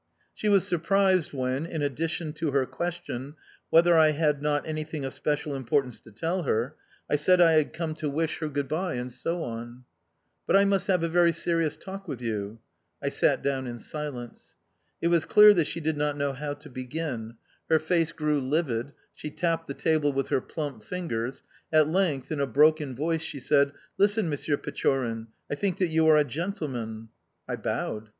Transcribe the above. She was surprised when, in answer to her question, whether I had not anything of special importance to tell her, I said I had come to wish her good bye, and so on. "But I must have a very serious talk with you." I sat down in silence. It was clear that she did not know how to begin; her face grew livid, she tapped the table with her plump fingers; at length, in a broken voice, she said: "Listen, Monsieur Pechorin, I think that you are a gentleman." I bowed.